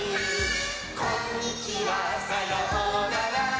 「こんにちはさようなら」